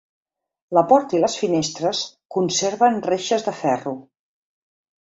La porta i les finestres conserven reixes de ferro.